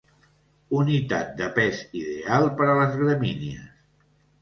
Unitat de pes ideal per a les gramínies.